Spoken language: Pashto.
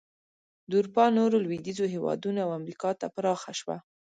د اروپا نورو لوېدیځو هېوادونو او امریکا ته پراخه شوه.